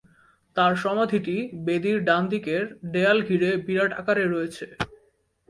তার সমাধিটি বেদির ডানদিকের দেয়াল ঘিরে বিরাট আকারে রয়েছে।